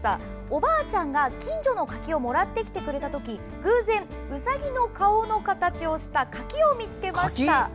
おばあちゃんが近所の柿をもらってきてくれた時偶然、ウサギの顔の形をした柿を見つけました。